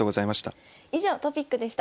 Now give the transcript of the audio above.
以上トピックでした。